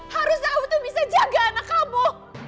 haruslah aku tuh bisa jaga anak kamu